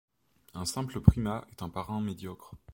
Un simple primat est un parrain médiocre.